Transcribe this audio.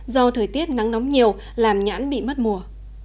do thời tiết nắng nóng nhiều làm nhãn bị mất mùa